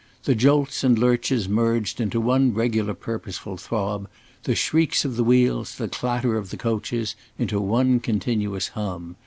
The jolts and lurches merged into one regular purposeful throb, the shrieks of the wheels, the clatter of the coaches, into one continuous hum.